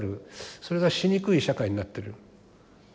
それがしにくい社会になってる。